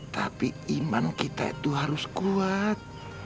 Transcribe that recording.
tapi iman kita itu harus kuat